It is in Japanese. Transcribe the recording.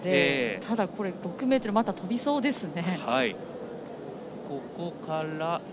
ただ６ｍ、跳びそうですね。